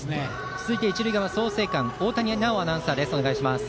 続いて一塁側、創成館大谷奈央アナウンサーです。